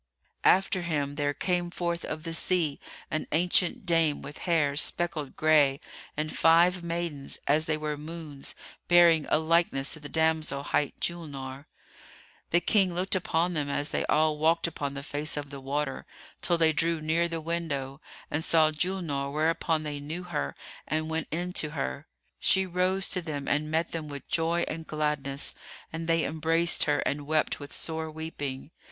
After him there came forth of the sea an ancient dame with hair speckled gray and five maidens, as they were moons, bearing a likeness to the damsel hight Julnar. The King looked upon them as they all walked upon the face of the water, till they drew near the window and saw Julnar, whereupon they knew her and went in to her. She rose to them and met them with joy and gladness, and they embraced her and wept with sore weeping.